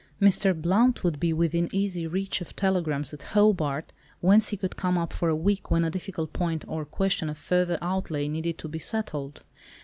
Mr. Blount would be within easy reach of telegrams at Hobart, whence he could come up for a week when a difficult point or question of further outlay needed to be settled.